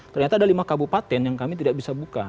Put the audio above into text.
ternyata ada lima kabupaten yang kami tidak bisa buka